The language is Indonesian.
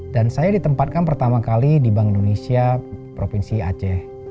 dan saya ditempatkan pertama kali di bank indonesia provinsi aceh